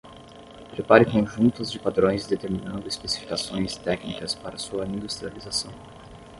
Prepare conjuntos de padrões determinando especificações técnicas para sua industrialização.